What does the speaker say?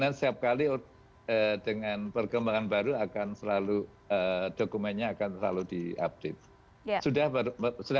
dan setiap kali dengan perkembangan baru akan selalu dokumennya akan selalu diupdate